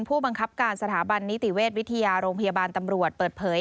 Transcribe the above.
ผู้บังคับการสถาบันนิติเวชวิทยาโรงพยาบาลตำรวจเปิดเผย